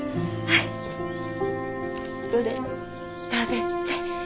はいこれ食べて。